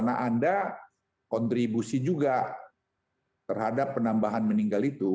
nah anda kontribusi juga terhadap penambahan meninggal itu